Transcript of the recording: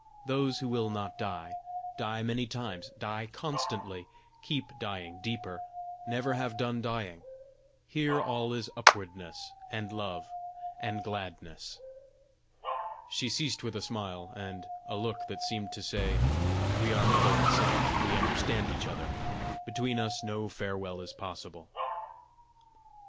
Those who will not die, die many times, die constantly, keep dying deeper, never have done dying; here all is upwardness and love and gladness." She ceased with a smile and a look that seemed to say, "We are mother and son; we understand each other! Between us no farewell is possible."